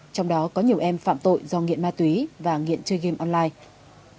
trong đó có nhiều em phạm tội do nghiện ma túy và nghiện chơi game online